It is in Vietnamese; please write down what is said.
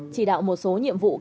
chỉ đạo một số nhiệm vụ